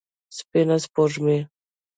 سپينه سپوږمۍ